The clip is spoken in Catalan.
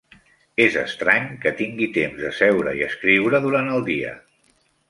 És estrany que tingui temps de seure i escriure durant el dia.